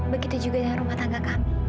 begitu juga dengan rumah tangga kami